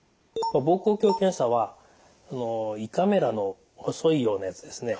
膀胱鏡検査は胃カメラの細いようなやつですね。